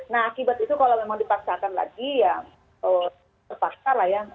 nah akibat itu kalau memang dipaksakan lagi ya terpaksa lah ya